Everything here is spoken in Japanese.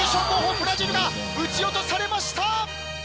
ブラジルが撃ち落とされました！